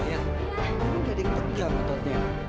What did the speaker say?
ayah kamu jadi tegang ototnya